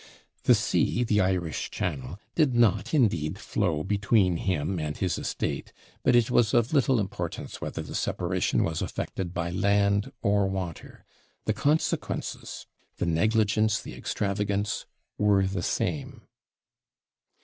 The sea, the Irish Channel, did not, indeed, flow between him and his estate; but it was of little importance whether the separation was effected by land or water the consequences, the negligence, the extravagance, were the same.